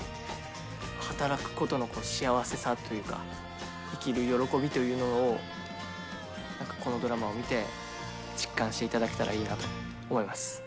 働くことの幸せさというか、生きる喜びというのを、このドラマを見て実感していただけたらいいなと思います。